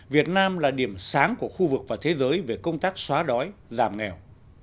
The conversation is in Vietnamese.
việt nam là điểm sáng của khu vực và thế giới về công tác xóa đói giảm nghèo